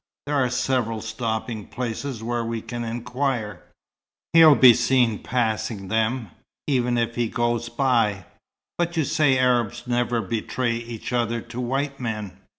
There are several stopping places where we can inquire. He'll be seen passing them, even if he goes by." "But you say Arabs never betray each other to white men."